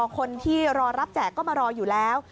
คนที่รอรับแจกก็มารออยู่แล้ว